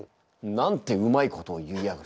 なんてうまいことを言いやがる。